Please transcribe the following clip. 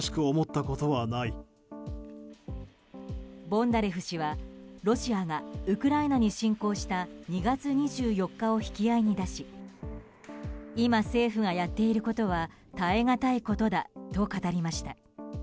ボンダレフ氏はロシアがウクライナに侵攻した２月２４日を引き合いに出し今、政府がやっていることは耐えがたいことだと語りました。